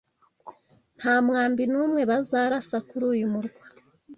Nta mwambi n’umwe bazarasa kuri uyu murwa